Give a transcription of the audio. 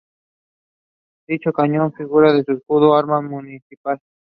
Dicho cañón figura en su escudo de armas municipal.